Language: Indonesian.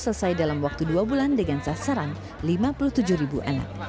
selesai dalam waktu dua bulan dengan sasaran lima puluh tujuh ribu anak